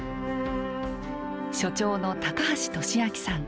所長の橋利明さん。